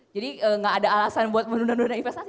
jadi gak ada alasan buat menunda investasi